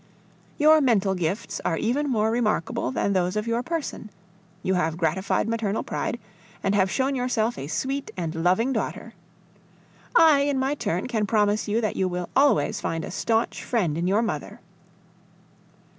Your mental gifts are even more remarkable than those of your person; you have gratified maternal pride, and have shown yourself a sweet and loving daughter. I, in my turn, can promise you that you will always find a staunch friend in your mother.